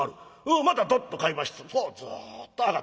またドッと買いますとずっと上がっていく。